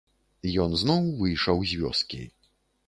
Ён зноў выйшаў з вёскі.